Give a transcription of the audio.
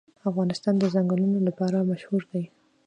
افغانستان د ځنګلونه لپاره مشهور دی.